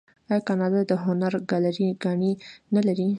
آیا کاناډا د هنر ګالري ګانې نلري؟